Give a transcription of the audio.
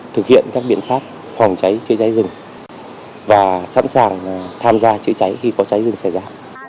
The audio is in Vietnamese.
thực hiện các biện pháp phòng cháy chữa cháy rừng và sẵn sàng tham gia chữa cháy khi có cháy rừng xảy ra